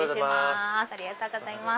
ありがとうございます。